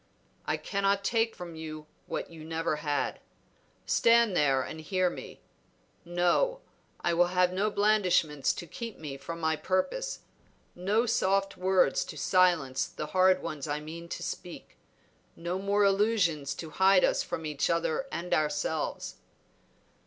"I cannot take from you what you never had. Stand there and hear me. No; I will have no blandishments to keep me from my purpose, no soft words to silence the hard ones I mean to speak, no more illusions to hide us from each other and ourselves."